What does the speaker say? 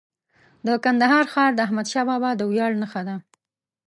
د کندهار ښار د احمدشاه بابا د ویاړ نښه ده.